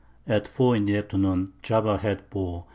At 4 in the Afternoon Java Head bore N.